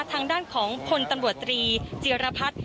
ทางด้านของพลตำรวจตรีจิรพัฒน์